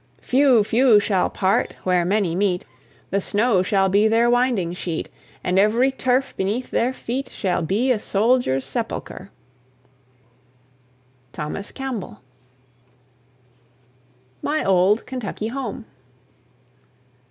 Few, few shall part, where many meet! The snow shall be their winding sheet, And every turf beneath their feet Shall be a soldier's sepulcher. THOMAS CAMPBELL. MY OLD KENTUCKY HOME.